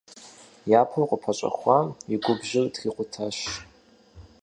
Япэу къыпэщӀэхуам и губжьыр трикъутащ.